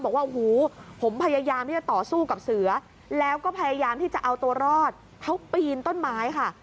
บอกว่าโอ้โหผมพยายามที่จะต่อสู้กับเสือแล้วก็พยายามที่จะเอาตัวรอดเขาปีนต้นไม้ค่ะ